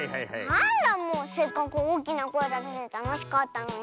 なんだもうせっかくおおきなこえだせてたのしかったのに。